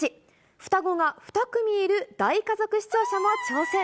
双子が２組いる大家族視聴者も挑戦。